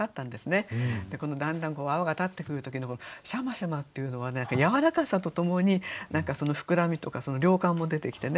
だんだん泡が立ってくる時の「しゃましゃま」っていうのは何かやわらかさとともに膨らみとか量感も出てきてね